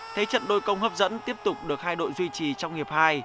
thế trận đôi công hấp dẫn tiếp tục được hai đội duy trì trong hiệp hai